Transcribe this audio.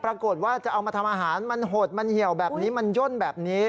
ว่าจะเอามาทำอาหารมันหดมันเหี่ยวแบบนี้มันย่นแบบนี้